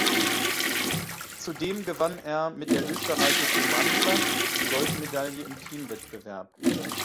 Zudem gewann er mit der österreichischen Mannschaft die Goldmedaille im Teamwettbewerb.